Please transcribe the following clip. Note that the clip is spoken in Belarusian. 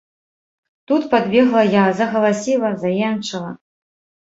Тут падбегла я, загаласіла, заенчыла.